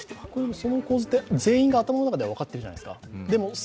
その構図は全員が頭の中で分かっているじゃないですか。